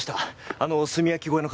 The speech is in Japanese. あの炭焼き小屋の火事。